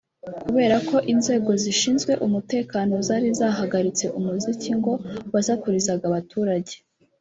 kubera ko inzego zishinzwe umutekano zari zahagaritse umuziki ngo wasakurizaga abaturage